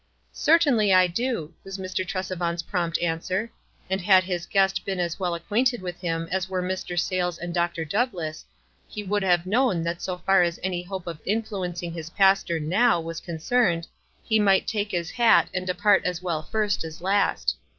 "Certainly, I do," was Mr. Tresevant's prompt answer ; and had his guest been as well acquainted with him as were Mr. Sayles and Dr. Douglass, he would have known that so far as any hope of influencing his pastor now was con cerned, he might take his hat and depart as well first as last.